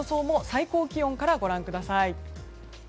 最高気温からご覧ください。